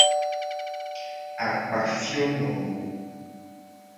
Akpafionowo.